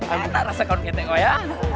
enak enak rasa kawan kto ya